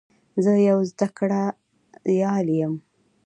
زه یو زده کړیال یم.